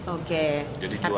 oke artinya apa